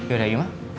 yaudah yuk ma